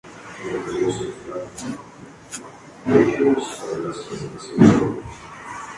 El gobernador y el alcalde constitucional fueron encarcelados y sustituidos por militares.